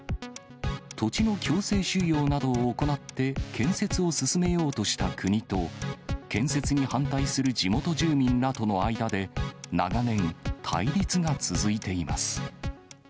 土地の強制収用などを行って建設を進めようとした国と、建設に反対する地元住民らとの間で、長年、対立が続いています。